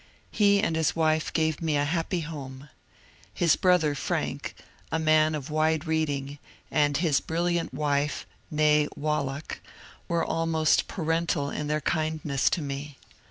He and his wife gave me a happy home. His brother Franck — a man of wide reading — and his brilliant wife, n6e Wallach, were almost parental in their kindness to me.